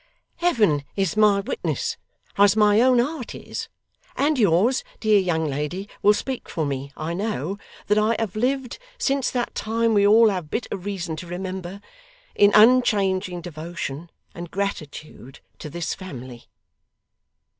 'Heaven is my witness, as my own heart is and yours, dear young lady, will speak for me, I know that I have lived, since that time we all have bitter reason to remember, in unchanging devotion, and gratitude to this family.